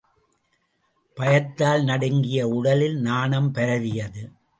பயத்தால் நடுங்கிய உடலில் நாணம் பரவியது.